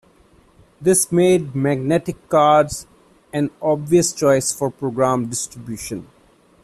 This made magnetic cards an obvious choice for program distribution.